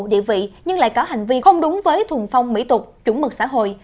địa vị nhưng lại có hành vi không đúng với thuần phong mỹ tục chủng mực xã hội